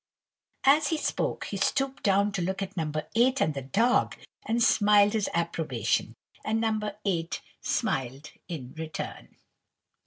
As he spoke, he stooped down to look at No. 8 and the dog, and smiled his approbation, and No. 8 smiled in return.